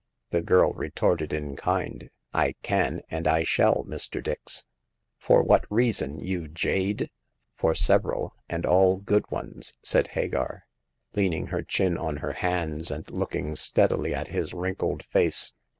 The girl retorted in kind :" I can, and I shall, Mr. Dix." " For what reason, you jade ?"" For several— and all good ones," said Hagar, leaning her chin on her hands and looking steadily at his wrinkled face.